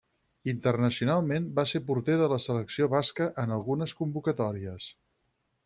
Internacionalment, va ser porter de la selecció basca en algunes convocatòries.